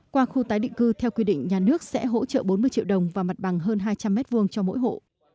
qua khu tái định cư theo quy định nhà nước sẽ hỗ trợ bốn mươi triệu đồng và mặt bằng hơn hai trăm linh m hai cho mỗi hộ